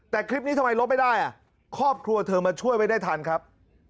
แต่คลิปนี้ทำไมลบไม่ได้ครอบครัวเธอมาช่วยไว้ได้ทันครับ